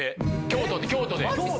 京都で？